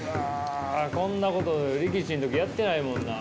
こんなこと力士の時やってないもんな。